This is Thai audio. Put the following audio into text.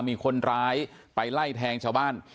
มีคนร้ายไปไล่แทงชาวบ้าน